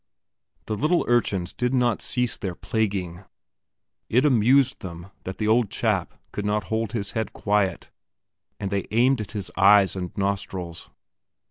The little urchins did not cease their plaguing; it amused them that the old chap could not hold his head quiet, and they aimed at his eyes and nostrils.